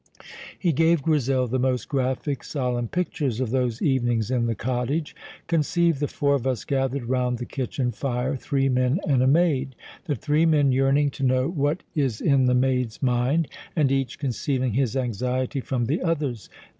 He gave Grizel the most graphic, solemn pictures of those evenings in the cottage. "Conceive the four of us gathered round the kitchen fire three men and a maid; the three men yearning to know what is in the maid's mind, and each concealing his anxiety from the others.